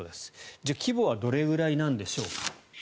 じゃあ規模はどれくらいなんでしょうか。